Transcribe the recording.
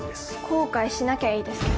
後悔しなきゃいいですね。